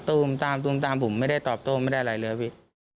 ตามตูมตามผมไม่ได้ตอบโต้ไม่ได้อะไรเลยพี่